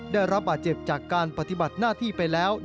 ได้รับบาดเจ็บจากการปฏิบัติหน้าที่ไปแล้ว